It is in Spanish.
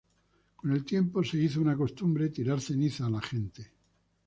Con el tiempo se hizo una costumbre tirar ceniza a la gente.